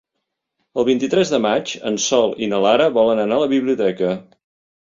El vint-i-tres de maig en Sol i na Lara volen anar a la biblioteca.